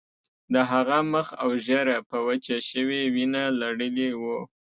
د هغه مخ او ږیره په وچه شوې وینه لړلي وو